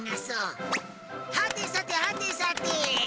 はてさてはてさて！